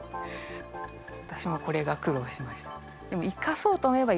わたしもこれが苦労しました。